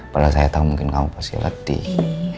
padahal saya tahu mungkin kamu pasti ledih